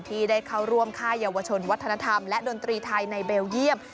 ที่ได้เข้าร่วมค่ายเยาวชนวัฒนธรรมและดนตรีไทยในเบลเยี่ยม